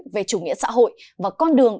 về chủ nghĩa xã hội và con đường